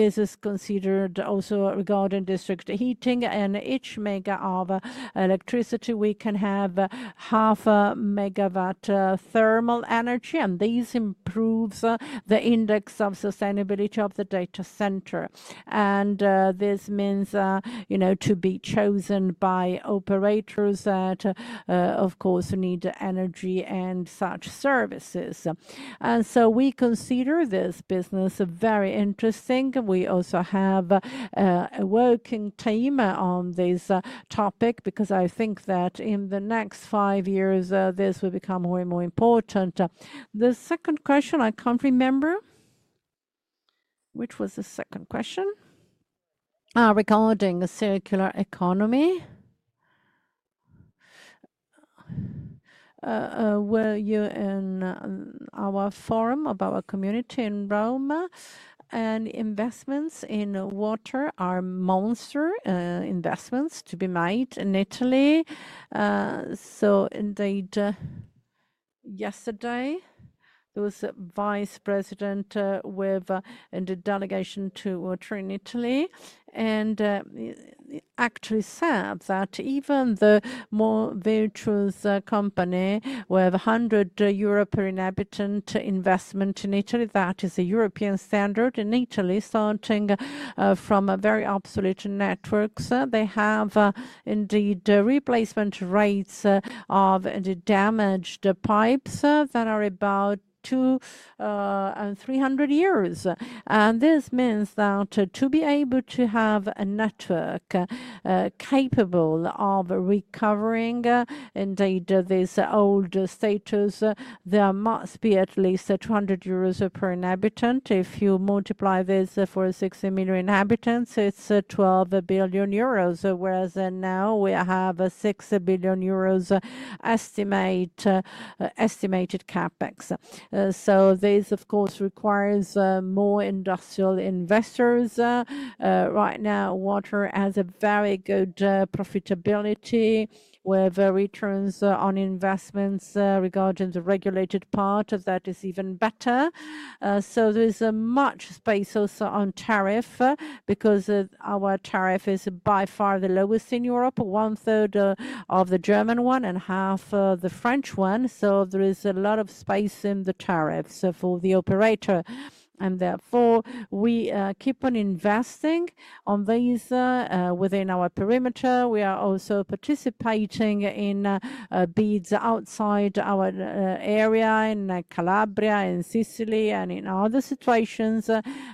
this is considered also regarding district heating and each MW of electricity, we can have half a MW thermal energy. These improve the index of sustainability of the data center. This means to be chosen by operators that, of course, need energy and such services. We consider this business very interesting. We also have a working team on this topic because I think that in the next five years, this will become way more important. The second question I can't remember, which was the second question regarding the circular economy. Were you in our forum about our community in Rome? Investments in water are monster investments to be made in Italy. Indeed, yesterday, there was a Vice President with the delegation to water in Italy and actually said that even the more virtuous company with 100 euro per inhabitant investment in Italy, that is a European standard in Italy starting from very obsolete networks. They have indeed replacement rates of damaged pipes that are about 200-300 years. This means that to be able to have a network capable of recovering indeed this old status, there must be at least 200 euros per inhabitant. If you multiply this for 6 million inhabitants, it is 12 billion euros, whereas now we have a 6 billion euros estimated CapEx. This, of course, requires more industrial investors. Right now, water has a very good profitability with returns on investments regarding the regulated part that is even better. There is much space also on tariff because our tariff is by far the lowest in Europe, one third of the German one and half of the French one. There is a lot of space in the tariffs for the operator. Therefore, we keep on investing on these within our perimeter. We are also participating in bids outside our area in Calabria, in Sicily, and in other situations.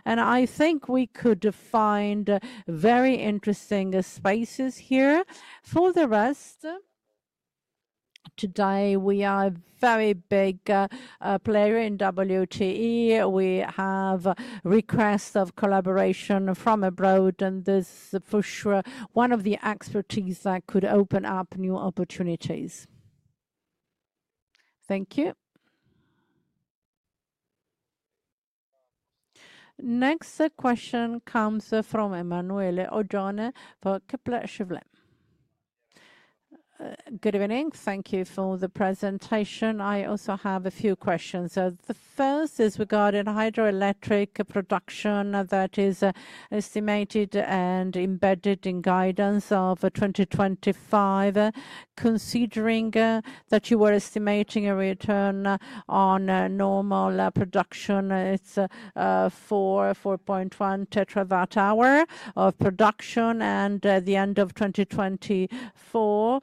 I think we could find very interesting spaces here. For the rest, today we are a very big player in WTE. We have requests of collaboration from abroad. This is for sure one of the expertise that could open up new opportunities. Thank you. Next question comes from Emanuele Oggioni for Kepler Cheuvreux. Good evening. Thank you for the presentation. I also have a few questions. The first is regarding hydroelectric production that is estimated and embedded in guidance of 2025. Considering that you were estimating a return on normal production, it is 4.1 TW hour of production. At the end of 2024,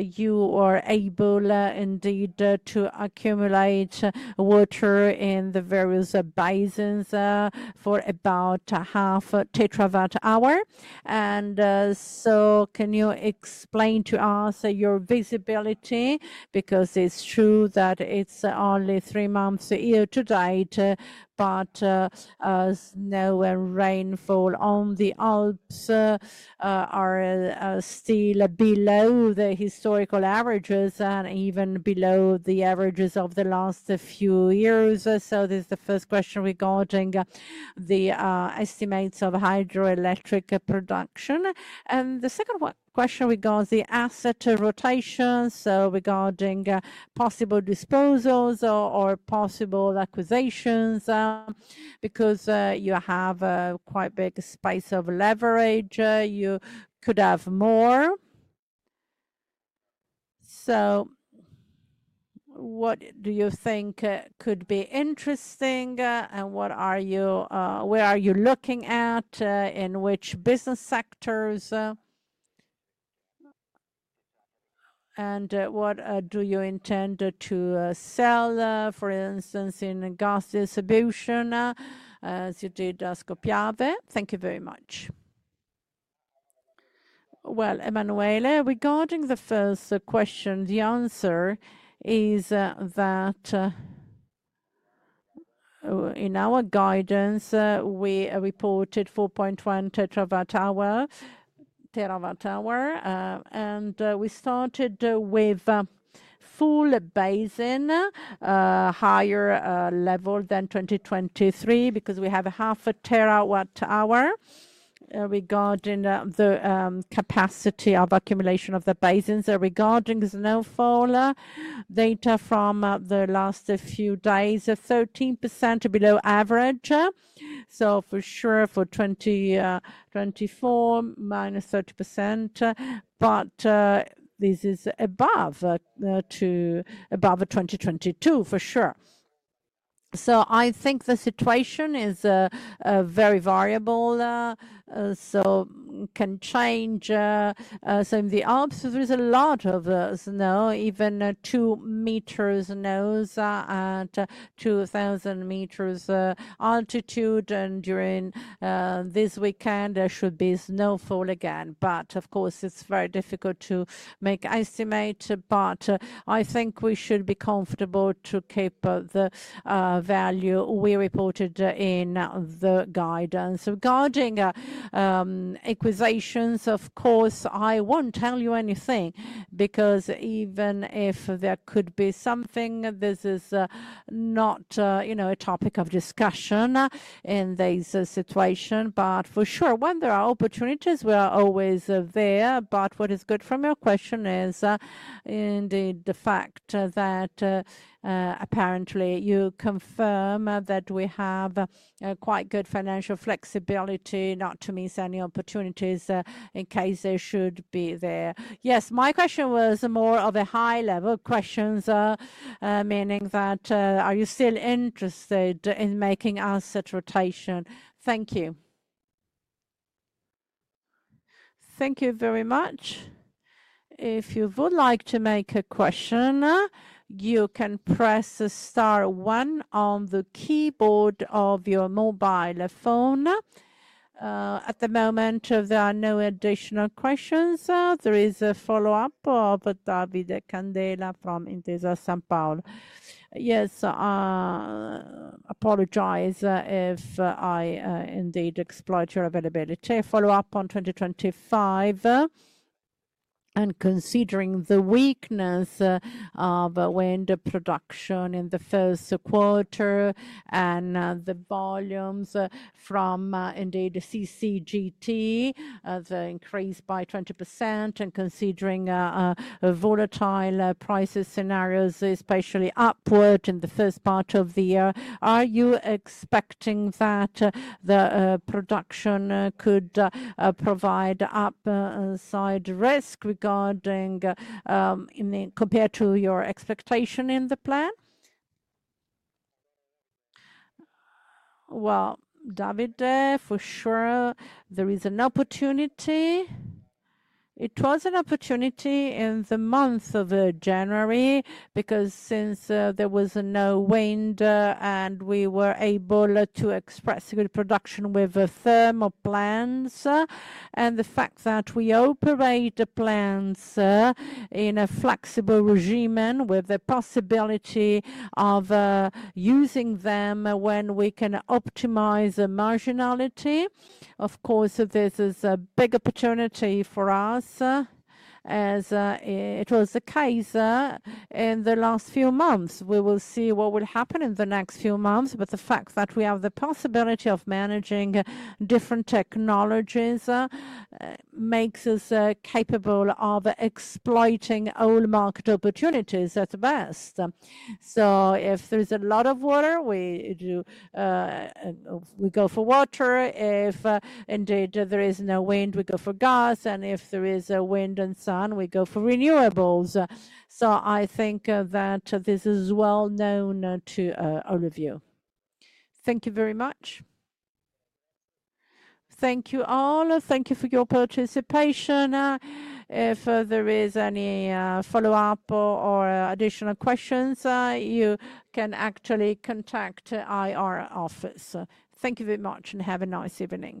you are able indeed to accumulate water in the various basins for about half TW hour. Can you explain to us your visibility? It is true that it is only three months year to date, but now rainfall on the Alps are still below the historical averages and even below the averages of the last few years. This is the first question regarding the estimates of hydroelectric production. The second question regards the asset rotation. Regarding possible disposals or possible acquisitions because you have quite big space of leverage, you could have more. What do you think could be interesting? What are you, where are you looking at, in which business sectors? What do you intend to sell, for instance, in gas distribution as you did with Ascopiave? Thank you very much. Emanuele, regarding the first question, the answer is that in our guidance, we reported 4.1 TW hour. We started with full basin, higher level than 2023 because we have half a TW hour regarding the capacity of accumulation of the basins. Regarding snowfall, data from the last few days, 13% below average. For 2024, minus 30%. This is above 2022 for sure. I think the situation is very variable. It can change. In the Alps, there is a lot of snow, even 2 meters snow at 2,000 meters altitude. During this weekend, there should be snowfall again. Of course, it is very difficult to make estimate. I think we should be comfortable to keep the value we reported in the guidance. Regarding acquisitions, of course, I won't tell you anything because even if there could be something, this is not a topic of discussion in this situation. For sure, when there are opportunities, we are always there. What is good from your question is indeed the fact that apparently you confirm that we have quite good financial flexibility not to miss any opportunities in case they should be there. Yes, my question was more of a high-level question, meaning that are you still interested in making asset rotation? Thank you. Thank you very much. If you would like to make a question, you can press star one on the keyboard of your mobile phone. At the moment, there are no additional questions. There is a follow-up of Davide Candela from Intesa Sanpaolo. Yes, apologize if I indeed exploit your availability. Follow-up on 2025. Considering the weakness of wind production in the first quarter and the volumes from indeed CCGT, the increase by 20% and considering volatile prices scenarios, especially upward in the first part of the year, are you expecting that the production could provide upside risk compared to your expectation in the plan? David, for sure, there is an opportunity. It was an opportunity in the month of January because since there was no wind and we were able to express good production with thermal plants. The fact that we operate plants in a flexible regimen with the possibility of using them when we can optimize marginality. Of course, this is a big opportunity for us as it was the case in the last few months. We will see what will happen in the next few months. The fact that we have the possibility of managing different technologies makes us capable of exploiting old market opportunities at best. If there is a lot of water, we go for water. If indeed there is no wind, we go for gas. If there is wind and sun, we go for renewables. I think that this is well known to all of you. Thank you very much. Thank you all. Thank you for your participation. If there is any follow-up or additional questions, you can actually contact our office. Thank you very much and have a nice evening.